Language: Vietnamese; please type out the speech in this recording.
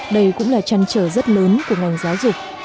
đây cũng là trăn trở rất lớn của ngành giáo dục